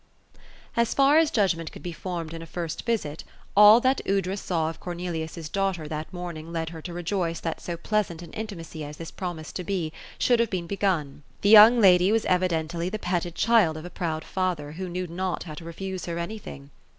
As far as judgment could be formed in a first visit, all that Aoudra saw of Cornelius's daughter that morning led her to rejoice that so plea sant an intimacy as this promised to be, should have been begun. The young lady was eridently the petted child of a fond father, who knew not how to refuse her anything.